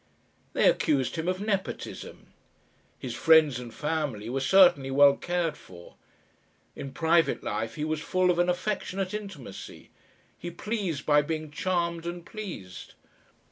They accused him of nepotism. His friends and family were certainly well cared for. In private life he was full of an affectionate intimacy; he pleased by being charmed and pleased.